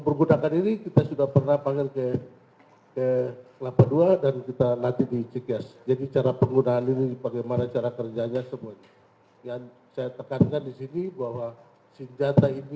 baru kita pakai bot itu kanji baru kita masukin tugas arah mata